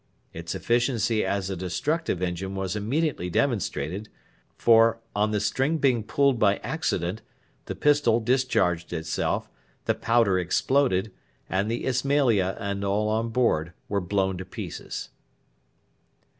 Its efficiency as a destructive engine was immediately demonstrated, for, on the string being pulled by accident, the pistol discharged itself, the powder exploded, and the Ismailia and all on board were blown to pieces.